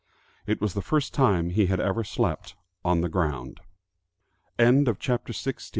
It was the first time he had ever slept on the ground. CHAPTER XVII.